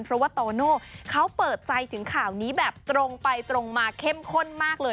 เพราะว่าโตโน่เขาเปิดใจถึงข่าวนี้แบบตรงไปตรงมาเข้มข้นมากเลย